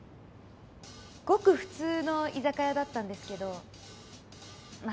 ごく普通の居酒屋だったんですけどま